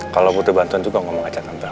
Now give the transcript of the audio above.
kalau butuh bantuan juga ngomong aja tentang